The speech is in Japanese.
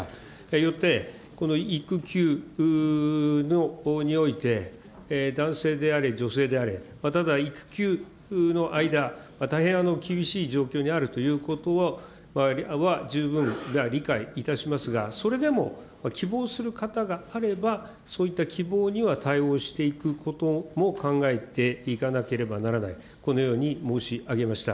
よって、この育休において、男性であれ女性であれ、ただ育休の間、大変厳しい状況にあるということは、十分な理解いたしますが、それでも希望する方があれば、そういった希望には対応していくことも考えていかなければならない、このように申し上げました。